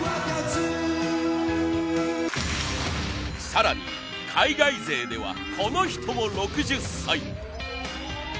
更に海外勢ではこの人も６０歳。